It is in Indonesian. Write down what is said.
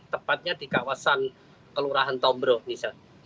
tepatnya di kawasan kelurahan tombro misal